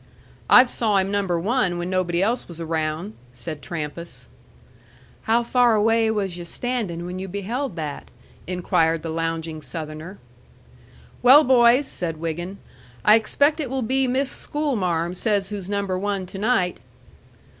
"I've saw him number one when nobody else was around," said Trampas. "How far away was you standin' when you beheld that?" inquired the lounging Southerner. "Well, boys," said Wiggin, "I expect it will be Miss Schoolmarm says who's number one to night."